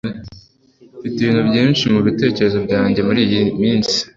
mfite ibintu byinshi mubitekerezo byanjye muriyi minsi